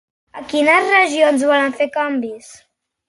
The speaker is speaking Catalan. A quines regions vol fer canvis?